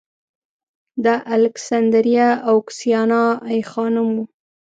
د الکسندریه اوکسیانا ای خانم و